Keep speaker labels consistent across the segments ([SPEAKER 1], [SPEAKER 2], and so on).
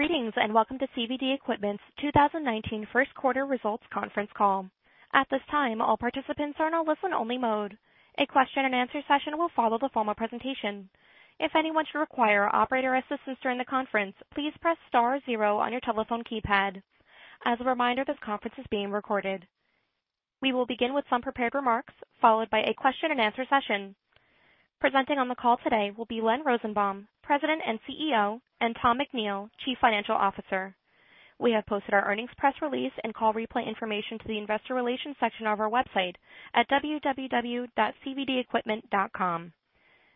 [SPEAKER 1] Greetings, welcome to CVD Equipment's 2019 first quarter results conference call. At this time, all participants are in a listen-only mode. A question and answer session will follow the formal presentation. If anyone should require operator assistance during the conference, please press star zero on your telephone keypad. As a reminder, this conference is being recorded. We will begin with some prepared remarks, followed by a question and answer session. Presenting on the call today will be Len Rosenbaum, President and CEO, and Tom McNeill, Chief Financial Officer. We have posted our earnings press release and call replay information to the investor relations section of our website at www.cvdequipment.com.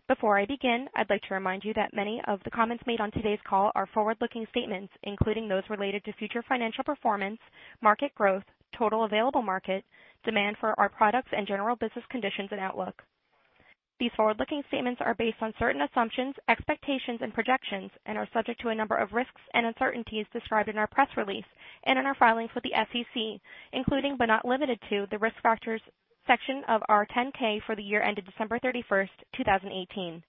[SPEAKER 1] Before I begin, I'd like to remind you that many of the comments made on today's call are forward-looking statements, including those related to future financial performance, market growth, total available market, demand for our products, and general business conditions and outlook. These forward-looking statements are based on certain assumptions, expectations, and projections, are subject to a number of risks and uncertainties described in our press release, and in our filings with the SEC, including but not limited to the risk factors section of our 10-K for the year ended December 31st, 2018.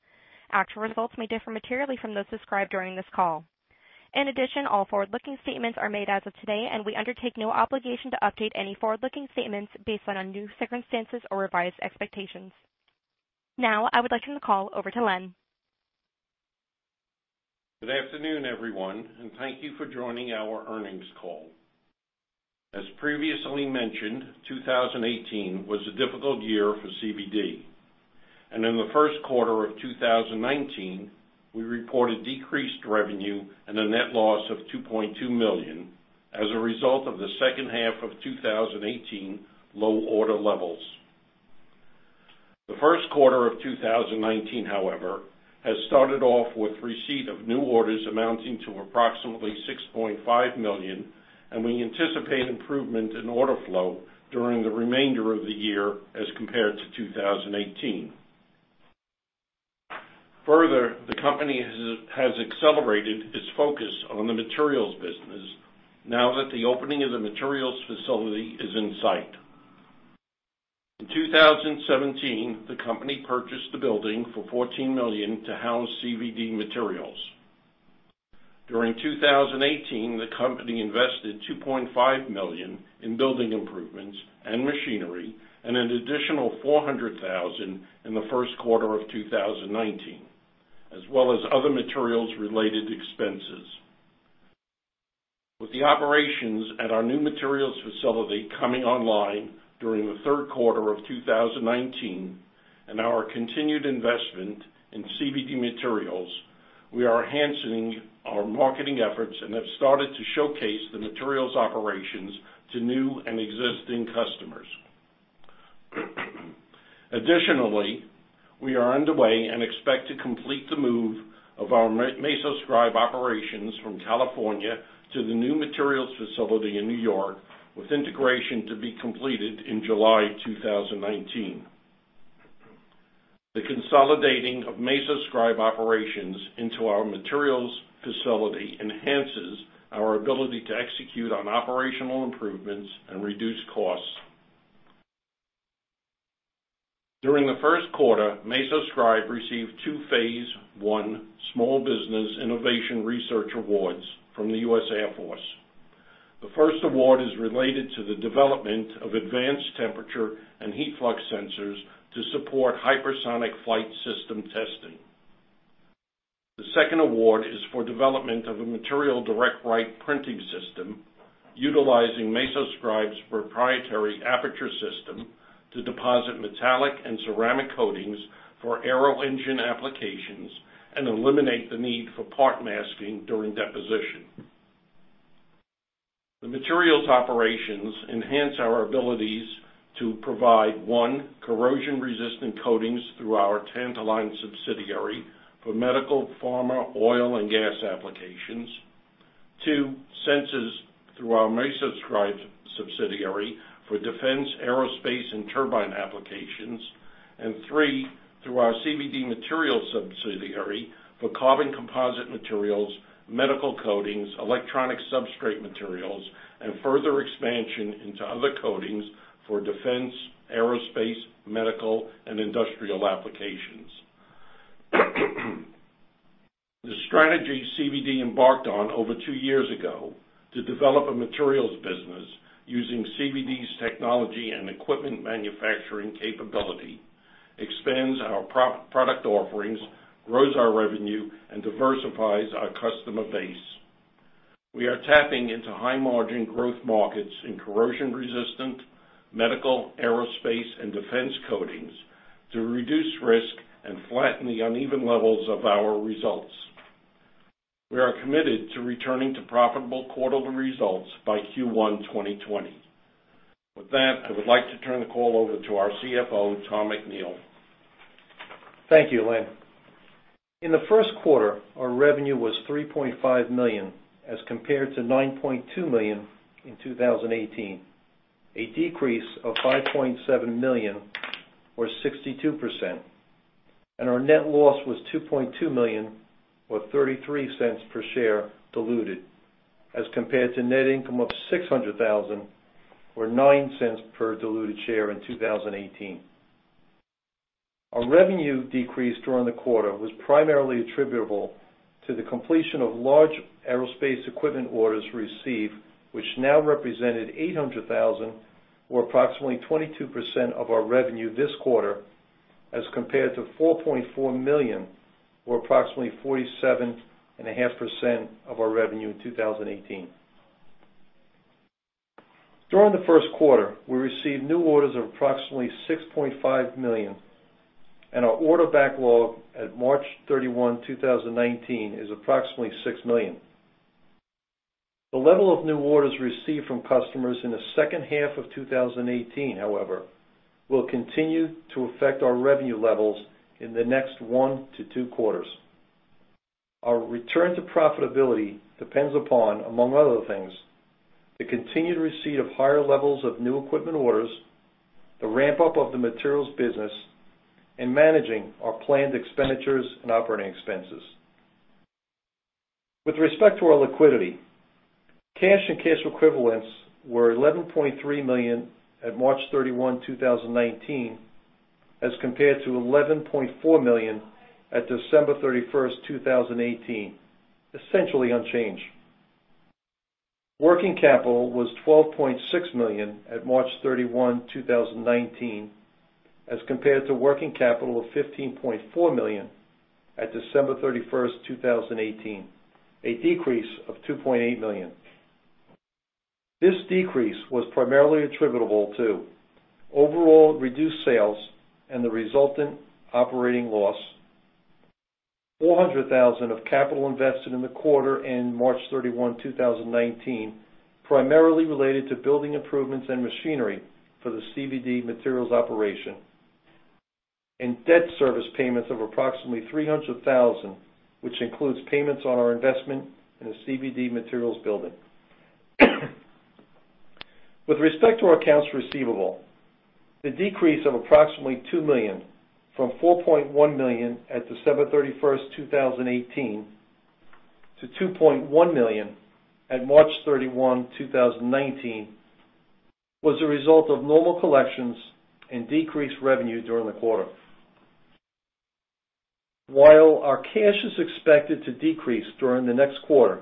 [SPEAKER 1] Actual results may differ materially from those described during this call. In addition, all forward-looking statements are made as of today, we undertake no obligation to update any forward-looking statements based on new circumstances or revised expectations. I would like to turn the call over to Len.
[SPEAKER 2] Good afternoon, everyone, thank you for joining our earnings call. As previously mentioned, 2018 was a difficult year for CVD. In the first quarter of 2019, we reported decreased revenue and a net loss of $2.2 million as a result of the second half of 2018 low order levels. The first quarter of 2019, however, has started off with receipt of new orders amounting to approximately $6.5 million, we anticipate improvement in order flow during the remainder of the year as compared to 2018. Further, the company has accelerated its focus on the materials business now that the opening of the materials facility is in sight. In 2017, the company purchased the building for $14 million to house CVD Materials. During 2018, the company invested $2.5 million in building improvements and machinery, an additional $400,000 in the first quarter of 2019, as well as other materials-related expenses. With the operations at our new materials facility coming online during the third quarter of 2019 and our continued investment in CVD Materials, we are enhancing our marketing efforts and have started to showcase the materials operations to new and existing customers. Additionally, we are underway and expect to complete the move of our MesoScribe operations from California to the new materials facility in New York, with integration to be completed in July 2019. The consolidating of MesoScribe operations into our materials facility enhances our ability to execute on operational improvements and reduce costs. During the first quarter, MesoScribe received 2 Phase I Small Business Innovation Research awards from the U.S. Air Force. The first award is related to the development of advanced temperature and heat flux sensors to support hypersonic flight system testing. The second award is for development of a direct-write printing system utilizing MesoScribe's proprietary aperture system to deposit metallic and ceramic coatings for aero-engine applications and eliminate the need for part masking during deposition. The materials operations enhance our abilities to provide, one, corrosion-resistant coatings through our Tantaline subsidiary for medical, pharma, oil, and gas applications. Two, sensors through our MesoScribe subsidiary for defense, aerospace, and turbine applications. Three, through our CVD Materials subsidiary for carbon composite materials, medical coatings, electronic substrate materials, and further expansion into other coatings for defense, aerospace, medical, and industrial applications. The strategy CVD embarked on over two years ago to develop a materials business using CVD's technology and equipment manufacturing capability expands our product offerings, grows our revenue, and diversifies our customer base. We are tapping into high-margin growth markets in corrosion resistant, medical, aerospace, and defense coatings to reduce risk and flatten the uneven levels of our results. We are committed to returning to profitable quarterly results by Q1 2020. With that, I would like to turn the call over to our CFO, Tom McNeill.
[SPEAKER 3] Thank you, Len. In the first quarter, our revenue was $3.5 million as compared to $9.2 million in 2018, a decrease of $5.7 million or 62%. Our net loss was $2.2 million or $0.33 per share diluted as compared to net income of $600,000 or $0.09 per diluted share in 2018. Our revenue decrease during the quarter was primarily attributable to the completion of large aerospace equipment orders received, which now represented $800,000, or approximately 22% of our revenue this quarter, as compared to $4.4 million, or approximately 47.5% of our revenue in 2018. During the first quarter, we received new orders of approximately $6.5 million, and our order backlog at March 31, 2019, is approximately $6 million. The level of new orders received from customers in the second half of 2018, however, will continue to affect our revenue levels in the next one to two quarters. Our return to profitability depends upon, among other things, the continued receipt of higher levels of new equipment orders, the ramp-up of the materials business, and managing our planned expenditures and operating expenses. With respect to our liquidity, cash and cash equivalents were $11.3 million at March 31, 2019, as compared to $11.4 million at December 31st, 2018, essentially unchanged. Working capital was $12.6 million at March 31, 2019 as compared to working capital of $15.4 million at December 31st, 2018, a decrease of $2.8 million. This decrease was primarily attributable to overall reduced sales and the resultant operating loss, $400,000 of capital invested in the quarter in March 31, 2019, primarily related to building improvements in machinery for the CVD Materials operation, and debt service payments of approximately $300,000, which includes payments on our investment in the CVD Materials building. With respect to our accounts receivable, the decrease of approximately $2 million from $4.1 million at December 31, 2018 to $2.1 million at March 31, 2019, was a result of normal collections and decreased revenue during the quarter. While our cash is expected to decrease during the next quarter,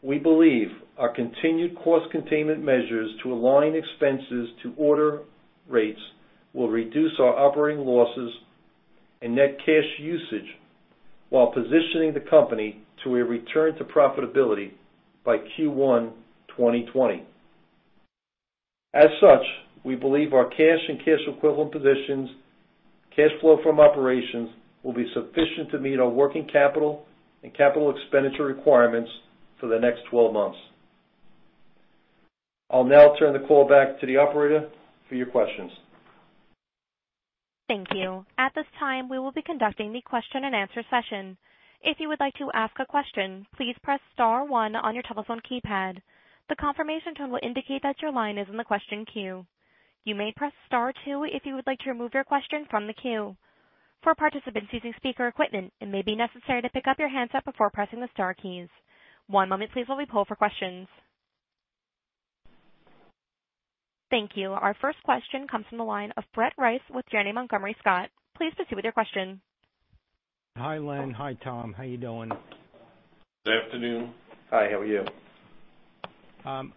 [SPEAKER 3] we believe our continued cost containment measures to align expenses to order rates will reduce our operating losses and net cash usage while positioning the company to a return to profitability by Q1 2020. We believe our cash and cash equivalent positions, cash flow from operations, will be sufficient to meet our working capital and capital expenditure requirements for the next 12 months. I'll now turn the call back to the operator for your questions.
[SPEAKER 1] Thank you. At this time, we will be conducting the question and answer session. If you would like to ask a question, please press star one on your telephone keypad. The confirmation tone will indicate that your line is in the question queue. You may press star two if you would like to remove your question from the queue. For participants using speaker equipment, it may be necessary to pick up your handset before pressing the star keys. One moment please while we poll for questions. Thank you. Our first question comes from the line of Brett Rice with Janney Montgomery Scott. Please proceed with your question.
[SPEAKER 4] Hi, Len. Hi, Tom. How you doing?
[SPEAKER 2] Good afternoon. Hi, how are you?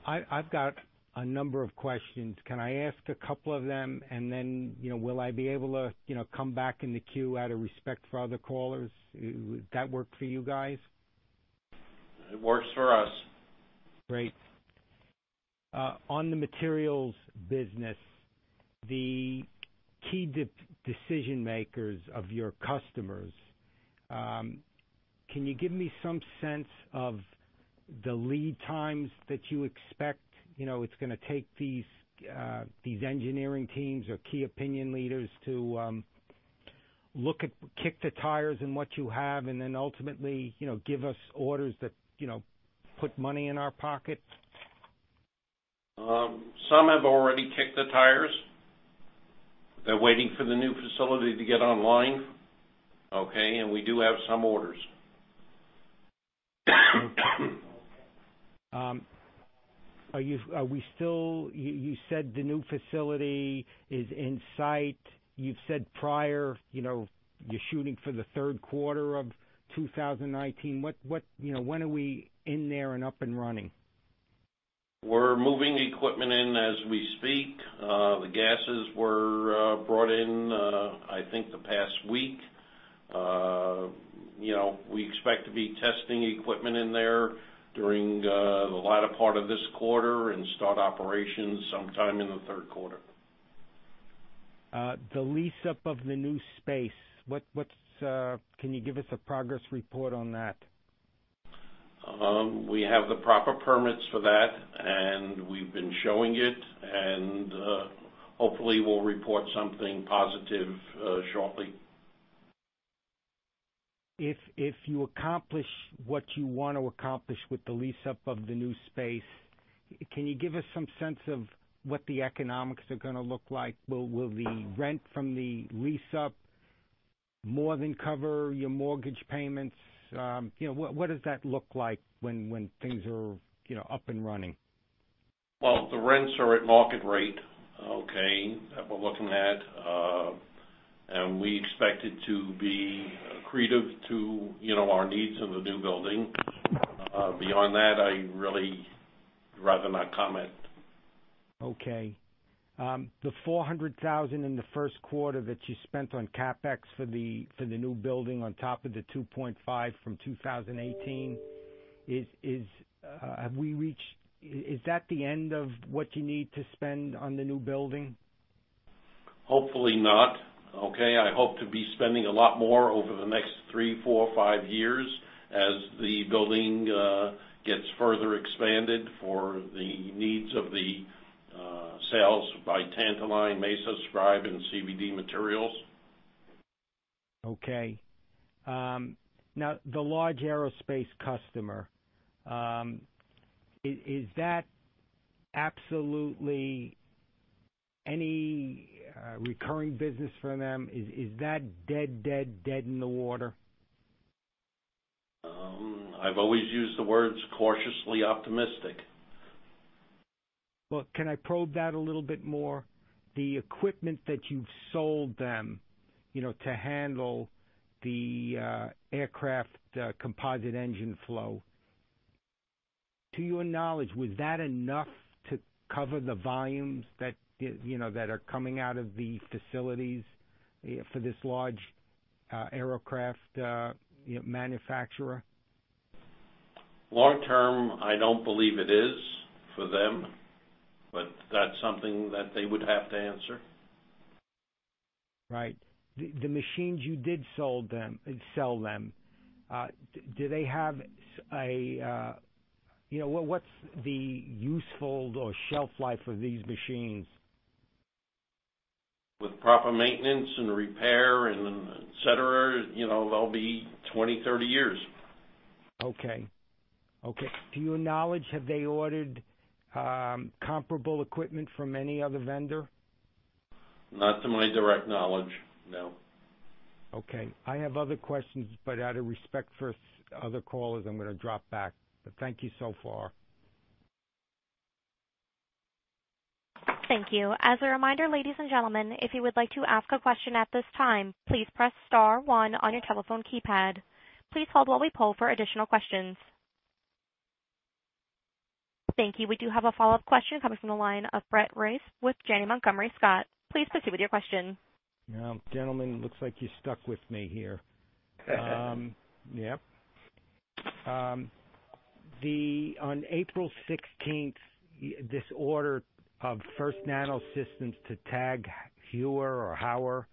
[SPEAKER 4] I've got a number of questions. Can I ask a couple of them, and then will I be able to come back in the queue out of respect for other callers? Would that work for you guys?
[SPEAKER 2] It works for us.
[SPEAKER 4] Great. On the materials business, the key decision makers of your customers, can you give me some sense of the lead times that you expect it's gonna take these engineering teams or key opinion leaders to look at, kick the tires in what you have, and then ultimately give us orders that put money in our pockets?
[SPEAKER 2] Some have already kicked the tires. They're waiting for the new facility to get online, okay. We do have some orders.
[SPEAKER 4] Okay. You said the new facility is in sight. You've said prior you're shooting for the third quarter of 2019. When are we in there and up and running?
[SPEAKER 2] We're moving equipment in as we speak. The gases were brought in, I think, the past week. We expect to be testing equipment in there during the latter part of this quarter and start operations sometime in the third quarter.
[SPEAKER 4] The lease-up of the new space. Can you give us a progress report on that?
[SPEAKER 3] We have the proper permits for that, we've been showing it, and hopefully we'll report something positive shortly.
[SPEAKER 4] If you accomplish what you want to accomplish with the lease-up of the new space, can you give us some sense of what the economics are gonna look like? Will the rent from the lease-up more than cover your mortgage payments? What does that look like when things are up and running?
[SPEAKER 2] Well, the rents are at market rate, okay, that we're looking at. We expected to be accretive to our needs in the new building. Beyond that, I'd really rather not comment.
[SPEAKER 4] Okay. The $400,000 in the first quarter that you spent on CapEx for the new building on top of the $2.5 from 2018, is that the end of what you need to spend on the new building?
[SPEAKER 2] Hopefully not. Okay. I hope to be spending a lot more over the next three, four, five years as the building gets further expanded for the needs of the sales by Tantaline, MesoScribe, and CVD Materials.
[SPEAKER 4] Okay. The large aerospace customer, is that absolutely any recurring business for them? Is that dead in the water?
[SPEAKER 2] I've always used the words cautiously optimistic.
[SPEAKER 4] Can I probe that a little bit more? The equipment that you've sold them to handle the aircraft composite engine flow, to your knowledge, was that enough to cover the volumes that are coming out of the facilities for this large aircraft manufacturer?
[SPEAKER 2] Long term, I don't believe it is for them. That's something that they would have to answer.
[SPEAKER 4] Right. The machines you did sell them, what's the useful or shelf life of these machines?
[SPEAKER 2] With proper maintenance and repair, et cetera, they'll be 20, 30 years.
[SPEAKER 4] Okay. To your knowledge, have they ordered comparable equipment from any other vendor?
[SPEAKER 2] Not to my direct knowledge, no.
[SPEAKER 4] Okay. I have other questions, out of respect for other callers, I'm going to drop back. Thank you so far.
[SPEAKER 1] Thank you. As a reminder, ladies and gentlemen, if you would like to ask a question at this time, please press star one on your telephone keypad. Please hold while we poll for additional questions. Thank you. We do have a follow-up question coming from the line of Brett Rice with Janney Montgomery Scott. Please proceed with your question.
[SPEAKER 4] Well, gentlemen, looks like you're stuck with me here. Yep. On April 16th, this order of FirstNano Systems to TAG Heuer,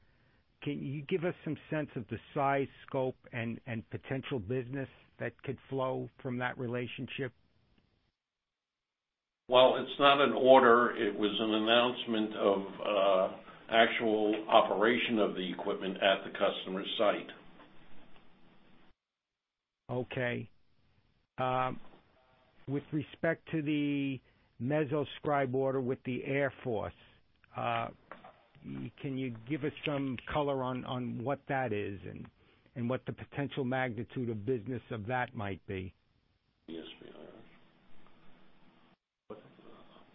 [SPEAKER 4] can you give us some sense of the size, scope, and potential business that could flow from that relationship?
[SPEAKER 2] Well, it's not an order. It was an announcement of actual operation of the equipment at the customer site.
[SPEAKER 4] Okay. With respect to the MesoScribe order with the Air Force, can you give us some color on what that is and what the potential magnitude of business of that might be?
[SPEAKER 2] Yes.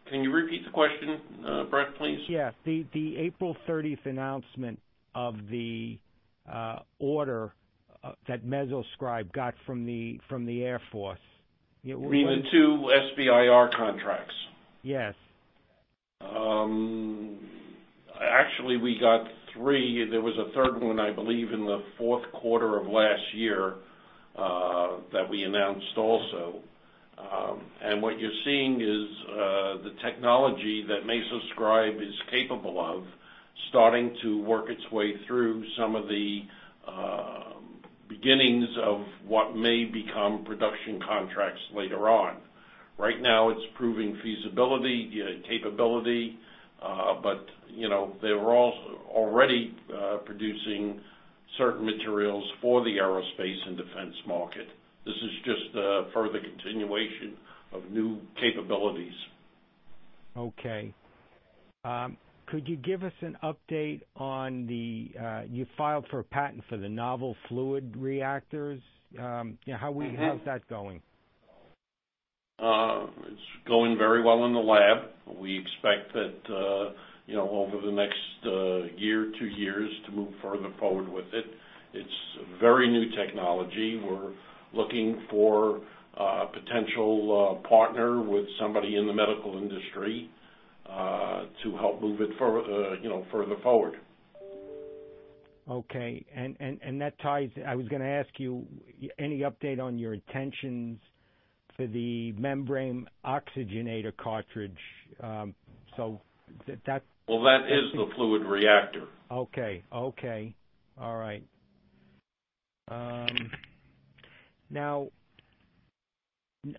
[SPEAKER 2] Can you repeat the question, Brett, please?
[SPEAKER 4] Yeah. The April 30th announcement of the order that MesoScribe got from the Air Force.
[SPEAKER 2] You mean the two SBIR contracts?
[SPEAKER 4] Yes.
[SPEAKER 2] Actually, we got three. There was a third one, I believe, in the fourth quarter of last year, that we announced also. What you're seeing is the technology that MesoScribe is capable of starting to work its way through some of the beginnings of what may become production contracts later on. Right now, it's proving feasibility, capability. They were already producing certain materials for the aerospace and defense market. This is just a further continuation of new capabilities.
[SPEAKER 4] Okay. Could you give us an update. You filed for a patent for the novel fluid reactors. How's that going?
[SPEAKER 2] It's going very well in the lab. We expect that over the next year, two years to move further forward with it. It's a very new technology. We're looking for a potential partner with somebody in the medical industry, to help move it further forward.
[SPEAKER 4] Okay. I was going to ask you, any update on your intentions for the membrane oxygenator cartridge?
[SPEAKER 2] Well, that is the fluid reactor.
[SPEAKER 4] Okay. All right.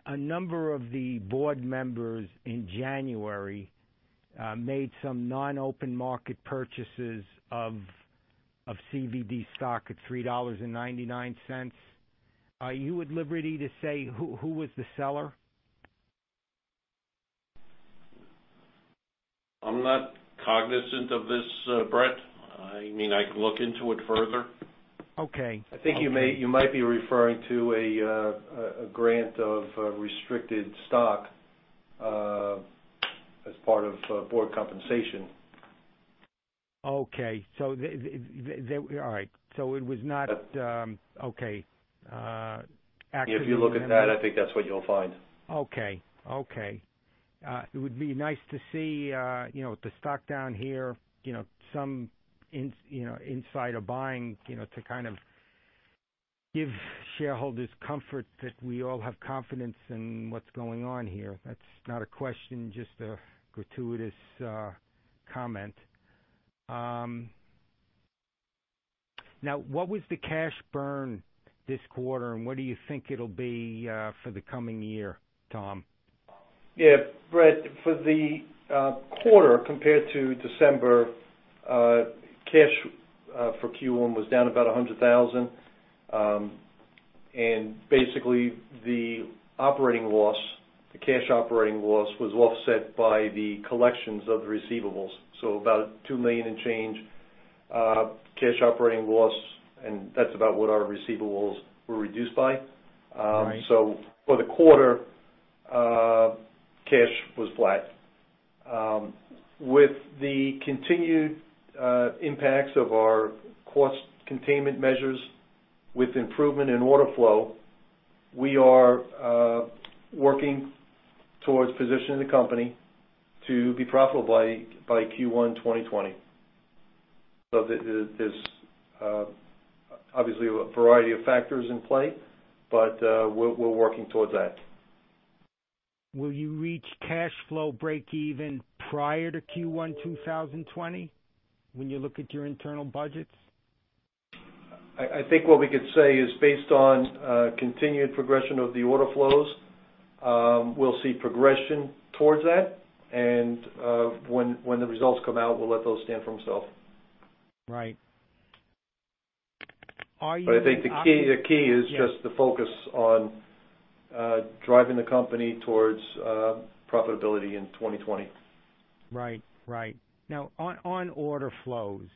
[SPEAKER 4] A number of the board members in January made some non-open market purchases of CVD stock at $3.99. Are you at liberty to say who was the seller?
[SPEAKER 2] I'm not cognizant of this, Brett. I can look into it further.
[SPEAKER 4] Okay.
[SPEAKER 3] I think you might be referring to a grant of restricted stock as part of board compensation.
[SPEAKER 4] Okay. All right.
[SPEAKER 3] If you look at that, I think that's what you'll find.
[SPEAKER 4] It would be nice to see, with the stock down here, some insider buying, to kind of give shareholders comfort that we all have confidence in what's going on here. That's not a question, just a gratuitous comment. What was the cash burn this quarter, and what do you think it'll be for the coming year, Tom?
[SPEAKER 3] Brett, for the quarter compared to December, cash for Q1 was down about $100,000. Basically, the operating loss, the cash operating loss, was offset by the collections of receivables. About $2 million in change, cash operating loss, and that's about what our receivables were reduced by.
[SPEAKER 4] Right.
[SPEAKER 3] For the quarter, cash was flat. With the continued impacts of our cost containment measures, with improvement in order flow, we are working towards positioning the company to be profitable by Q1 2020. There's obviously a variety of factors in play, but we're working towards that.
[SPEAKER 4] Will you reach cash flow breakeven prior to Q1 2020 when you look at your internal budgets?
[SPEAKER 3] I think what we could say is based on continued progression of the order flows, we'll see progression towards that, when the results come out, we'll let those stand for themselves.
[SPEAKER 4] Right.
[SPEAKER 3] I think the key is just the focus on driving the company towards profitability in 2020.
[SPEAKER 4] Right. Now, on order flows,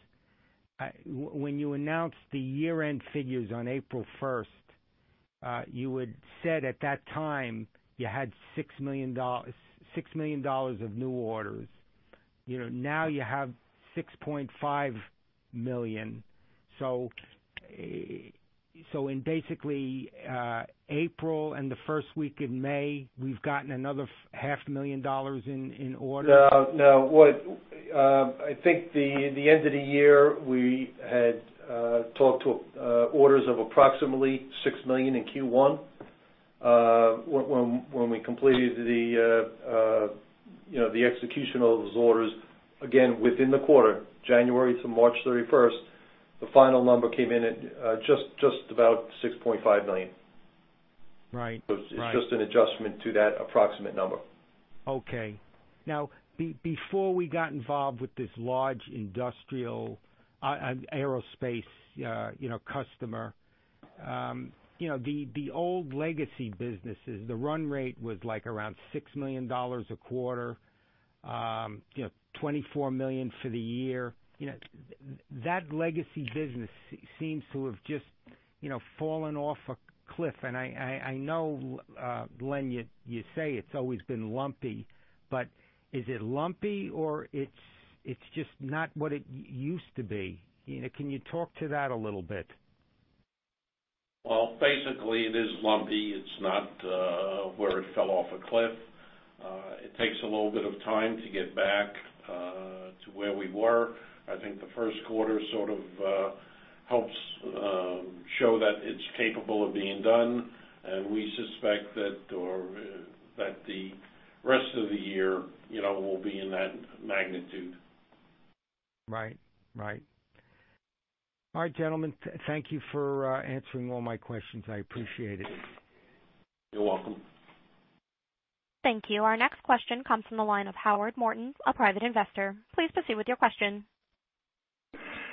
[SPEAKER 4] when you announced the year-end figures on April 1st, you had said at that time you had $6 million of new orders. Now you have $6.5 million. In basically April and the first week of May, we've gotten another half million dollars in orders?
[SPEAKER 3] No. I think the end of the year, we had talked to orders of approximately $6 million in Q1. When we completed the execution of those orders, again, within the quarter, January to March 31st, the final number came in at just about $6.5 million.
[SPEAKER 4] Right.
[SPEAKER 3] It's just an adjustment to that approximate number.
[SPEAKER 4] Okay. Before we got involved with this large industrial aerospace customer, the old legacy businesses, the run rate was around $6 million a quarter, $24 million for the year. That legacy business seems to have just fallen off a cliff. I know, Len, you say it's always been lumpy, but is it lumpy or it's just not what it used to be? Can you talk to that a little bit?
[SPEAKER 2] Well, basically, it is lumpy. It's not where it fell off a cliff. It takes a little bit of time to get back to where we were. I think the first quarter sort of helps show that it's capable of being done, and we suspect that the rest of the year will be in that magnitude.
[SPEAKER 4] Right. All right, gentlemen. Thank you for answering all my questions. I appreciate it.
[SPEAKER 2] You're welcome.
[SPEAKER 1] Thank you. Our next question comes from the line of Howard Morton, a private investor. Please proceed with your question.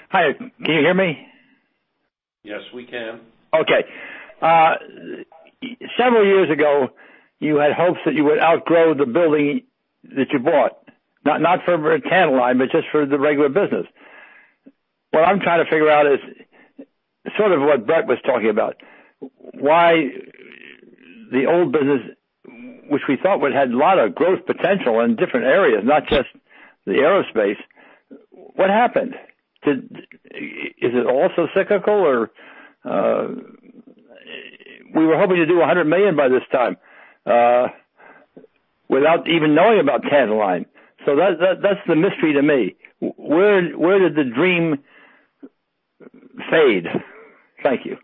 [SPEAKER 5] Hi, can you hear me?
[SPEAKER 2] Yes, we can.
[SPEAKER 5] Okay. Several years ago, you had hopes that you would outgrow the building that you bought, not for Tantaline, but just for the regular business. What I'm trying to figure out is sort of what Brett Rice was talking about. Why the old business, which we thought had a lot of growth potential in different areas, not just the aerospace, what happened? Is it also cyclical? We were hoping to do $100 million by this time without even knowing about Tantaline. That's the mystery to me. Where did the dream fade? Thank you.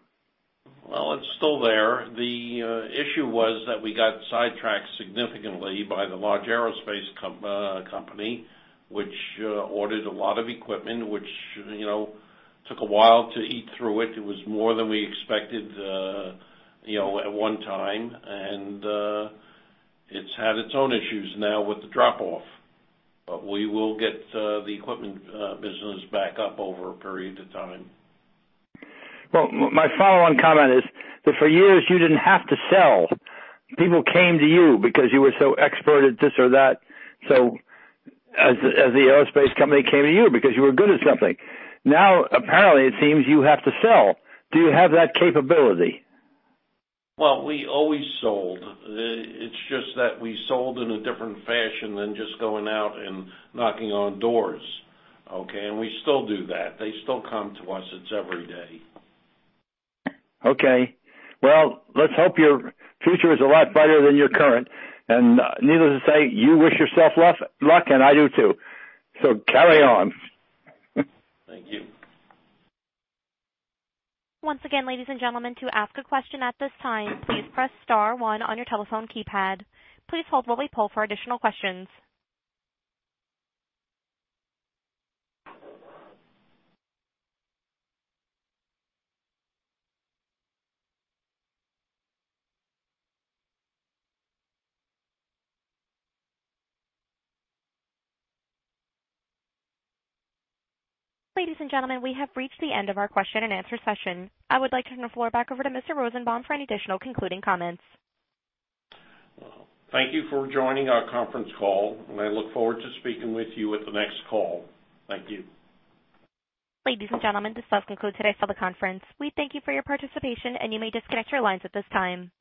[SPEAKER 2] Well, it's still there. The issue was that we got sidetracked significantly by the large aerospace company, which ordered a lot of equipment, which took a while to eat through it. It was more than we expected at one time. It's had its own issues now with the drop-off. We will get the equipment business back up over a period of time.
[SPEAKER 5] Well, my follow-on comment is that for years, you didn't have to sell. People came to you because you were so expert at this or that. As the aerospace company came to you because you were good at something. Now, apparently, it seems you have to sell. Do you have that capability?
[SPEAKER 2] Well, we always sold. It's just that we sold in a different fashion than just going out and knocking on doors. Okay. We still do that. They still come to us. It's every day.
[SPEAKER 5] Well, let's hope your future is a lot brighter than your current. Needless to say, you wish yourself luck, and I do, too. Carry on.
[SPEAKER 2] Thank you.
[SPEAKER 1] Once again, ladies and gentlemen, to ask a question at this time, please press star one on your telephone keypad. Please hold while we poll for additional questions. Ladies and gentlemen, we have reached the end of our question-and-answer session. I would like to turn the floor back over to Mr. Rosenbaum for any additional concluding comments.
[SPEAKER 2] Thank you for joining our conference call. I look forward to speaking with you at the next call. Thank you.
[SPEAKER 1] Ladies and gentlemen, this does conclude today's teleconference. We thank you for your participation. You may disconnect your lines at this time.